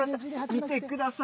見てください